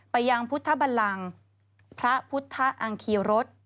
ไปยังพุทธบันลังพระพุทธอังคีรส